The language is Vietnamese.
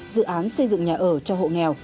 dự án xây dựng nhà ở cho hộ nghèo